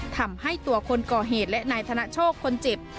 ทำให้ตัวคนก่อเหตุและนายธนโชคคนเจ็บ